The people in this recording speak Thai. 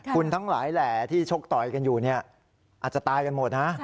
คุณทั้งหลายแหล่ที่ชกต่อยกันอยู่เนี่ยอาจจะตายกันหมดนะ